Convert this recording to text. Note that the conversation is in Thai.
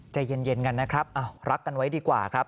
ใจเย็นกันนะครับรักกันไว้ดีกว่าครับ